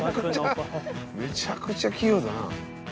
めちゃくちゃ器用だな。